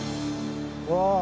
うわ。